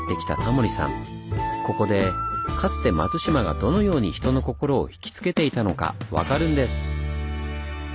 ここでかつて松島がどのように人の心をひきつけていたのか分かるんです！